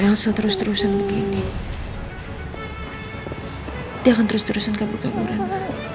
kalau elsa terus terusan begini dia akan terus terusan kabur kaburan ma